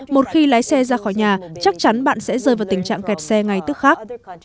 một khi lái xe ra khỏi nhà chắc chắn bạn sẽ rơi vào tình trạng kẹt xe ngay tức khác